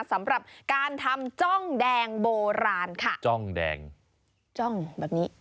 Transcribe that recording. สำหรับการทำจ้องแดงโบราณค่ะจ้องแดงจ้องแบบนี้